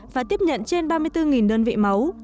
và tiếp nhận trên ba mươi bốn đơn vị máu